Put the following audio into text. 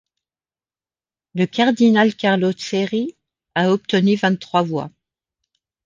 Le cardinal Carlo Cerri a obtenu vingt-trois voix.